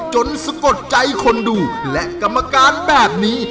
สะกดใจคนดูและกรรมการแบบนี้